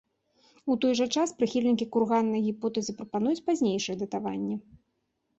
У той жа час, прыхільнікі курганнай гіпотэзы прапануюць пазнейшае датаванне.